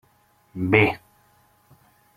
Bé.